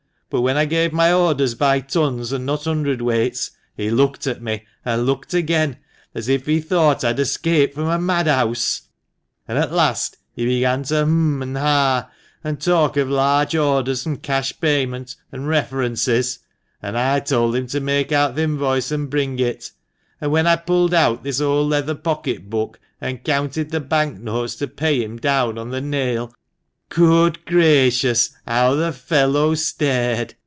But when I gave my orders by tons, and not hundred weights, he looked at me, and looked again, as if he thought THE MANCHESTER MAN. 63 I'd escaped from a madhouse ; an' at last he began to h'm an' ah, an' talk of large orders, an' cash payment, an' references ; an' I told him to make out th' invoice and bring it. An' when I pulled out this old leather pocket book, and counted the bank notes to pay him down on the nail, good gracious ! how the fellow stared